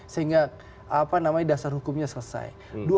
sehingga dasar hukumnya selesai